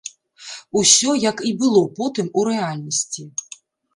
Усё, як і было потым у рэальнасці.